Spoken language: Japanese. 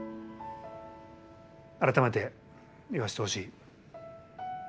改めて言わせてほしい。